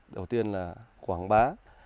đầu tiên là quảng bá